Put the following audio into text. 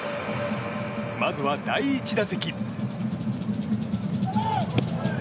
まずは第１打席。